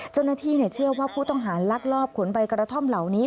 เจ้าหน้าที่เชื่อว่าผู้ต้องหาลักลอบขนใบกระท่อมเหล่านี้